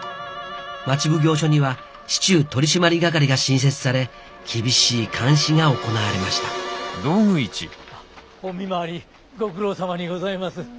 町奉行所には市中取締掛が新設され厳しい監視が行われましたあっお見回りご苦労さまにございます。